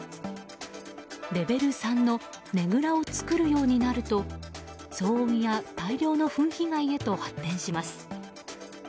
レベル３のねぐらを作るようになると騒音や大量のフン被害へと発展します。